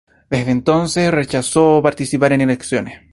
Desde entonces rechazó participar en elecciones.